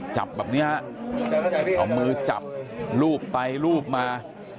จับแบบนี้ฮะเอามือจับรูปไปรูปมา